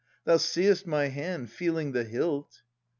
Thou seest my hand Feeling the hilt.